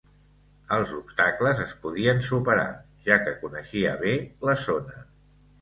Els obstacles es podien superar, ja que coneixia bé la zona.